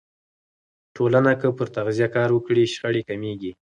ټولنه که پر تغذیه کار وکړي، شخړې کمېږي.